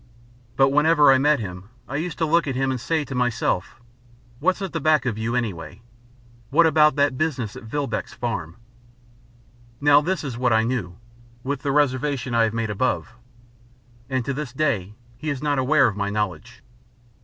But whenever I met him, I used to look at him and say to myself: "What's at the back of you anyway? What about that business at Vilboek's Farm?" Now this is what I knew with the reservation I have made above and to this day he is not aware of my knowledge.